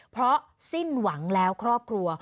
เพราะสิ้นหวังแล้วครอบครัว